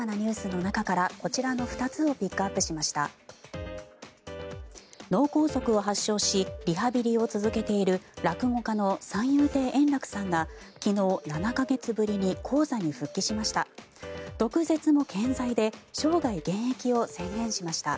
脳梗塞を発症しリハビリを続けている落語家の三遊亭円楽さんが昨日、７か月ぶりに高座に復帰しました。